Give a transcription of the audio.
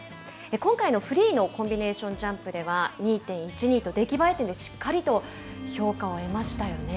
今回のフリーのコンビネーションジャンプでは２．１２と出来栄え点でしっかりと評価を得ましたよね。